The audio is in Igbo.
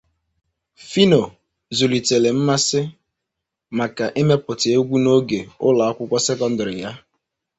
Phyno zụlitere mmasị maka imepụta egwu n'oge ụlọ akwụkwọ sekọndrị ya.